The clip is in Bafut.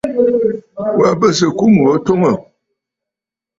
Wa bɨ sɨ̀ ɨkum gho twoŋtə̀.